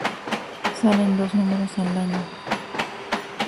Salen dos números al año.